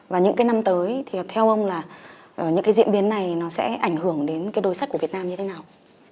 và những cái năm tới thì theo ông là những cái diễn biến này nó sẽ ảnh hưởng đến cái đôi sắt của việt nam như thế nào